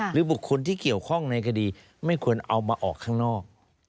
หรือบุคคลที่เกี่ยวข้องในคดีไม่ควรเอามาออกข้างนอก